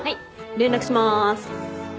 連絡しまーす。